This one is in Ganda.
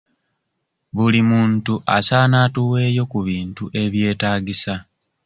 Buli muntu asaana atuweeyo ku bintu ebyetaagisa.